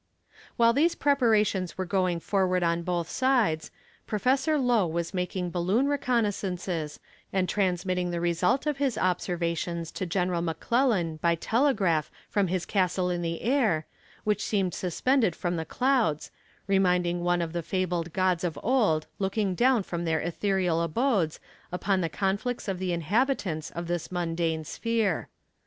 While these preparations were going forward on both sides, Professor Lowe was making balloon reconnoissances, and transmitting the result of his observations to General McClellan by telegraph from his castle in the air, which seemed suspended from the clouds, reminding one of the fabled gods of old looking down from their ethereal abodes upon the conflicts of the inhabitants of this mundane sphere.